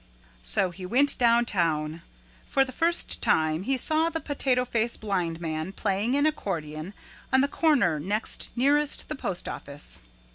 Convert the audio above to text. So he went downtown. For the first time he saw the Potato Face Blind Man playing an accordion on the corner next nearest the postoffice.